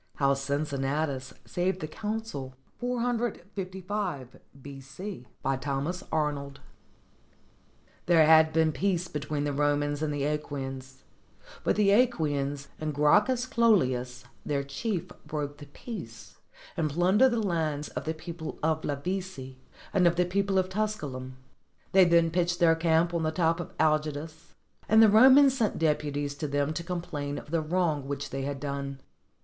HOW CINCINNATUS SAVED THE CONSUL USS B.C.] BY THOMAS ARNOLD There had been peace between the Romans and the iiEquians: but the ^quians and Gracchus Cloelius, their chief, broke the peace, and plundered the lands of the people of Lavici and of the people of Tusculum. They then pitched their camp on the top of Algidus; and the Romans sent deputies to them to complain of the wrong which they had done.